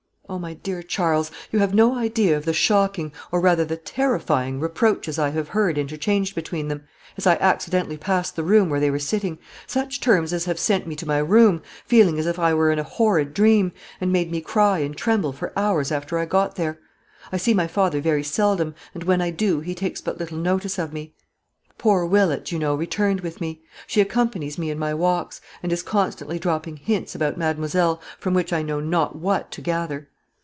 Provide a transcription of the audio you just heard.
Oh, my dear Charles, you have no idea of the shocking, or rather the terrifying, reproaches I have heard interchanged between them, as I accidently passed the room where they were sitting such terms as have sent me to my room, feeling as if I were in a horrid dream, and made me cry and tremble for hours after I got there.... I see my father very seldom, and when I do, he takes but little notice of me.... Poor Willett, you know, returned with me. She accompanies me in my walks, and is constantly dropping hints about mademoiselle, from which I know not what to gather....